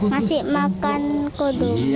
masih makan kudu